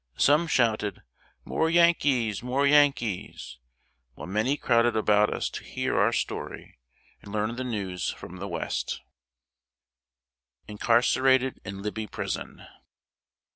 Some shouted, "More Yankees! more Yankees!" while many crowded about us to hear our story, and learn the news from the West. [Sidenote: INCARCERATED IN LIBBY PRISON.